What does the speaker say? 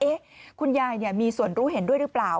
คุณยายมีส่วนรู้เห็นด้วยหรือเปล่า